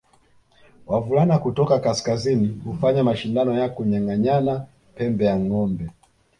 Wavulana kutoka kaskazini hufanya mashindano ya kunyanganyana pembe ya ngombe